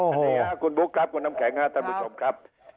สวัสดีคุณ฀ิบุกครับคุณน้ำแข็งท่านผู้ชมครับ